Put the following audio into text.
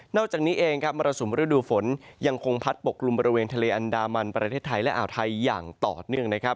อกจากนี้เองครับมรสุมฤดูฝนยังคงพัดปกลุ่มบริเวณทะเลอันดามันประเทศไทยและอ่าวไทยอย่างต่อเนื่องนะครับ